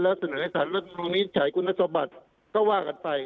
แล้วเสนอในฐานรถมองนี้ฉายคุณสบัติก็ว่ากันไป